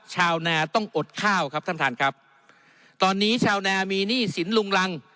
ชาวนาต้องอดข้าวครับท่านท่านครับตอนนี้ชาวนามีหนี้สินลุงรัง